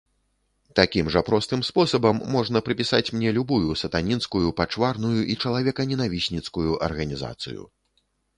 Такім жа простым спосабам можна прыпісаць мне любую сатанінскую, пачварную і чалавеканенавісніцкую арганізацыю.